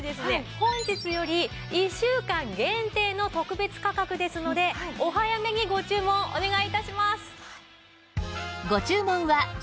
本日より１週間限定の特別価格ですのでお早めにご注文お願い致します。